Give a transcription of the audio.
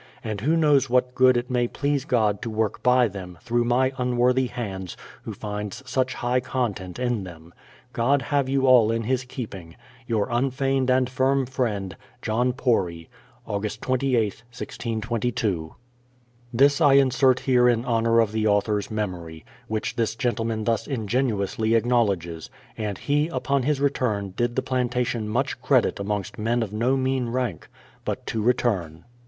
And who knows what good it may please God to work by them, through my unworthy hands, who finds such high content in them. God have you all in His keeping. Your unfeigned and firm friend, JOHN PORY. Aug. 28ih, 1622. This I Insert here in honour of the author's memory, which this gentleman thus ingenuously acknowledges ; and he, upon his return, did the plantation much credit amongst men of no mean rank. But to return.